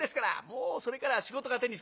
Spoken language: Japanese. もうそれからは仕事が手につかない。